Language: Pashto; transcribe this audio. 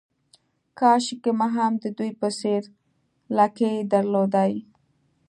کاشکې ما هم د دوی په څېر لکۍ درلودای.